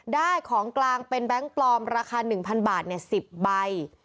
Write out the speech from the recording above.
ของกลางเป็นแบงค์ปลอมราคา๑๐๐บาท๑๐ใบ